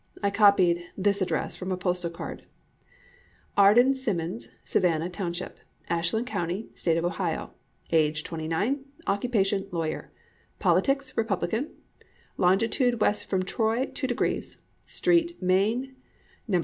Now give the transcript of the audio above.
I copied this address from a postal card: Alden Simmons, Savannah Township, Ashland County, State of Ohio; Age 29; Occupation, Lawyer; Politics, Republican; Longitude West from Troy 2°; Street Main No.